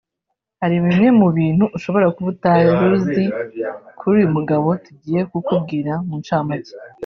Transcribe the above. Hari bimwe mu bintu ushobora kuba utari uzi kuri uyu mugabo tugiye kukubwira mu ncamake